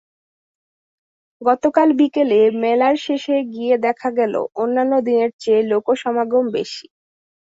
গতকাল বিকেলে মেলার শেষ দিন গিয়ে দেখা গেল, অন্যান্য দিনের চেয়ে লোকসমাগম বেশি।